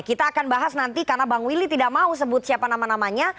kita akan bahas nanti karena bang willy tidak mau sebut siapa nama namanya